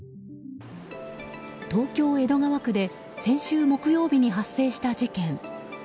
東京・江戸川区で先週木曜日に発生した事件。